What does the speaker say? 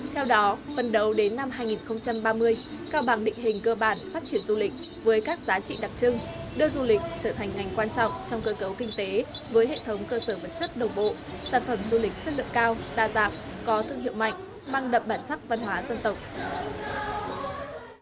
theo đó phần đầu đến năm hai nghìn ba mươi cao bằng định hình cơ bản phát triển du lịch với các giá trị đặc trưng đưa du lịch trở thành ngành quan trọng trong cơ cấu kinh tế với hệ thống cơ sở vật chất đồng bộ sản phẩm du lịch chất lượng cao đa dạng có thương hiệu mạnh mang đậm bản sắc văn hóa dân tộc